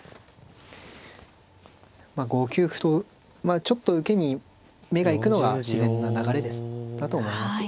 ５九歩とまあちょっと受けに目が行くのが自然な流れだと思います。